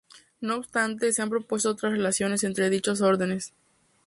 No obstante, se han propuesto otras relaciones entre dichos órdenes.